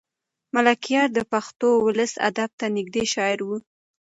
ملکیار د پښتو ولسي ادب ته نږدې شاعر و.